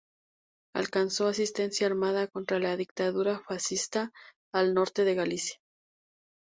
Alcanzó asistencia armada contra la dictadura fascista al norte de Galicia.